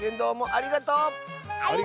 ありがとう！